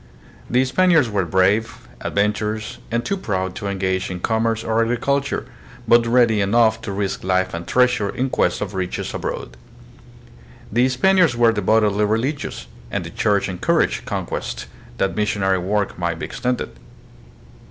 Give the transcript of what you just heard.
The Spaniards were brave, adventurous, and too proud to engage in commerce or agriculture, but ready enough to risk life and treasure in quest of riches abroad. The Spaniards were devotedly religious, and the Church encouraged conquest, that missionary work might be extended.